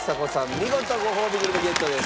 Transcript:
見事ごほうびグルメゲットです。